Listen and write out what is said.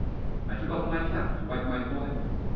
I took off my cap to wipe my fore head.